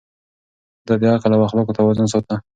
ده د عقل او اخلاقو توازن ساته.